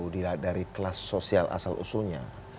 dari kelas sosial asal usulnya